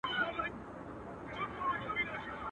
نو د سپیو لارښووني ته محتاج سي ..